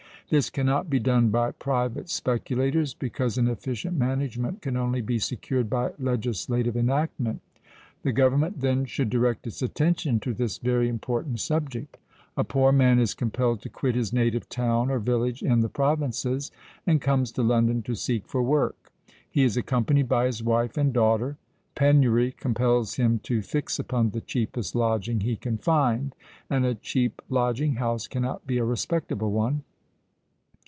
This cannot be done by private speculators, because an efficient management could only be secured by legislative enactment. The Government, then, should direct its attention to this very important subject. A poor man is compelled to quit his native town or village in the provinces, and comes to London to seek for work. He is accompanied by his wife and daughter. Penury compels him to fix upon the cheapest lodging he can find; and a cheap lodging house cannot be a respectable one.